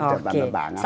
oke sangat optimis ya